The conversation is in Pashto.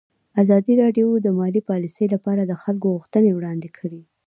ازادي راډیو د مالي پالیسي لپاره د خلکو غوښتنې وړاندې کړي.